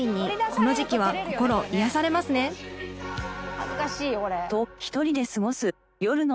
「恥ずかしいよこれ」